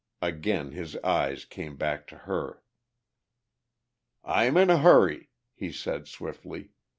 Again his eyes came back to her. "I'm in a hurry," he said swiftly.